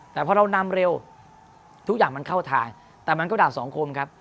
แต่พอเรานำเร็วทุกอย่างมันเข้าทางแต่มันก็ดาบสองคมครับ